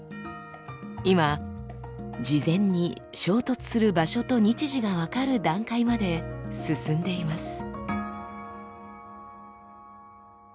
今事前に衝突する場所と日時が分かる段階まで進んでいます。